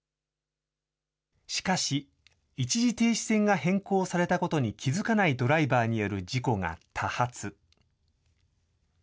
しかし、一時停止線が変更されたことに気付かないドライバーによる事故が多発。